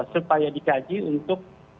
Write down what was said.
supaya dikaji untuk